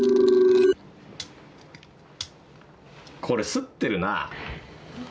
これ擦ってるな。